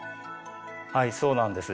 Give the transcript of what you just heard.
はいそうなんです。